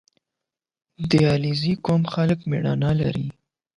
• د علیزي قوم خلک مېړانه لري.